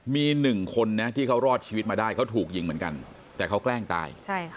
มีหนึ่งคนนะที่เขารอดชีวิตมาได้เขาถูกยิงเหมือนกันแต่เขาแกล้งตาย